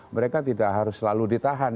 mereka tidak harus selalu ditahan